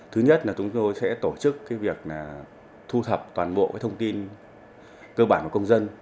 thứ nhất là chúng tôi sẽ tổ chức việc thu thập toàn bộ thông tin cơ bản của công dân